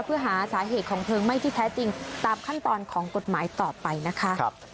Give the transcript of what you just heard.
เพื่อหาสาเหตุของเพลิงไหม้ที่แท้จริงตามขั้นตอนของกฎหมายต่อไปนะคะ